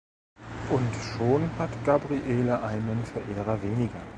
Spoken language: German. Und schon hat Gabriele einen Verehrer weniger.